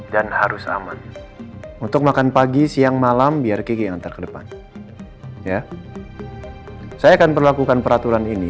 dan harus aman untuk makan pagi siang malam biar ke depan ya saya akan berlakukan peraturan ini